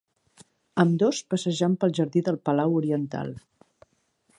Ambdós passejant pel jardí del palau oriental.